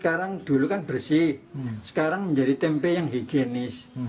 karena dulu kan bersih sekarang menjadi tempe yang higienis